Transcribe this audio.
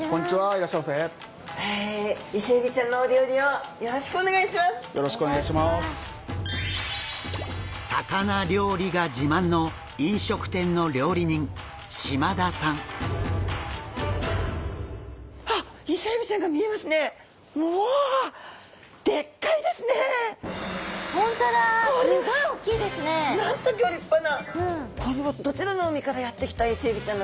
これはどちらの海からやって来たイセエビちゃんなんですか？